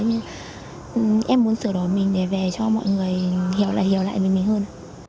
nhưng em muốn sửa đổi mình để về cho mọi người hiểu lại mình mình hơn